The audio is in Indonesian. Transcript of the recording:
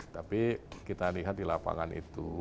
tapi kita lihat di lapangan itu